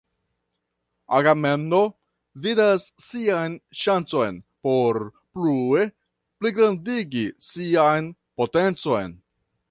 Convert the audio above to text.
Agamemno vidas sian ŝancon por plue pligrandigi sian potencon.